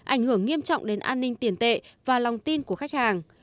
ảnh hưởng nghiêm trọng đến an ninh tiền tệ và lòng tin của khách hàng